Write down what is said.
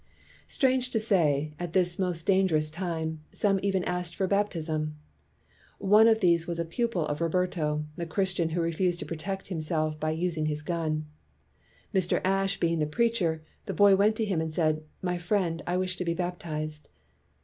Strange to say, at this most dangerous time, some even asked for baptism. One of these was a pupil of Roberto, the Chris tian who refused to protect himself by us ing his gun. Mr. Ashe being the preacher, the boy went to him and said, "My friend, I wish to be baptized."